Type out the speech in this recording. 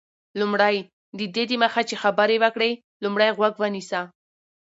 لومړی: ددې دمخه چي خبري وکړې، لومړی غوږ ونیسه.